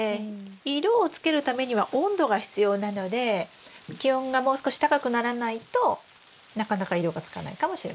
色をつけるためには温度が必要なので気温がもう少し高くならないとなかなか色がつかないかもしれません。